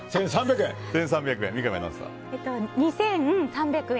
１３００円。